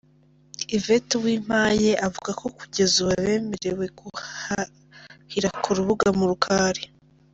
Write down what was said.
Yvette Uwimpaye avuga ko kugeza ubu abemerewe guhahira ku rubuga murukali.